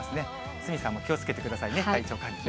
鷲見さんも気をつけてくださいね、体調管理ね。